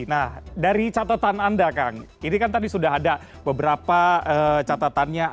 nah dari catatan anda kang ini kan tadi sudah ada beberapa catatannya